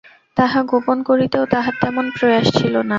তাহা গোপন করিতেও তাঁহার তেমন প্রয়াস ছিল না।